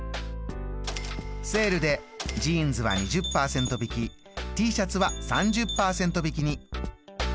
セールでジーンズは２０％引きＴシャツは３０％引きに。